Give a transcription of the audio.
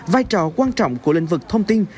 vai trò quan trọng của lĩnh vực thông tin